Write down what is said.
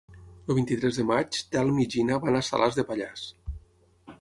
El vint-i-tres de maig en Telm i na Gina van a Salàs de Pallars.